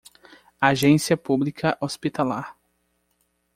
Agência pública hospitalar